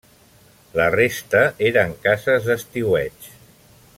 La resta eren cases d'estiueig.